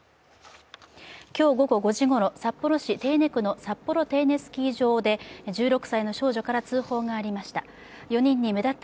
今日午後５時ごろ、札幌市手稲区のサッポロテイネスキー場で１６歳の少女から通報がありました。